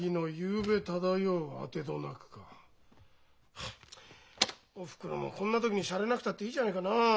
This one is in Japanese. はあおふくろもこんな時にシャレなくたっていいじゃないかなあ。